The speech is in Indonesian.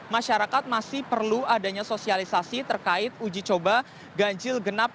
masyarakat masih perlu adanya sosialisasi terkait uji coba ganjil genap